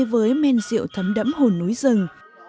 với men rượu thấm đẫm hồn núi rừng